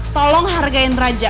tolong hargain raja